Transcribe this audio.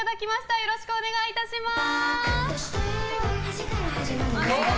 よろしくお願いします。